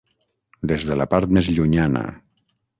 Des de la part més llunyana...